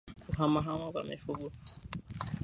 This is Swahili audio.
Kuhamahama kwa mifugo